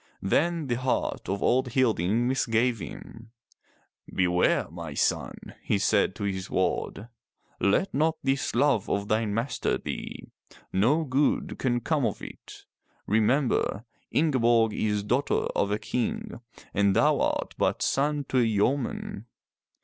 Then the heart of old Hilding misgave him. "Beware my son,'' he said to his ward. "Let not this love of thine master thee. No good can come of it. Remember, Inge borg is daughter of a King and thou art but son to a yeoman."